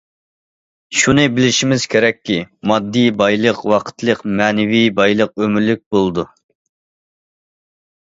شۇنى بىلىشىمىز كېرەككى، ماددىي بايلىق ۋاقىتلىق، مەنىۋى بايلىق ئۆمۈرلۈك بولىدۇ.